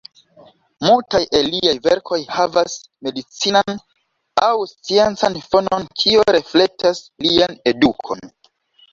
Multaj el liaj verkoj havas medicinan aŭ sciencan fonon kio reflektas lian edukon.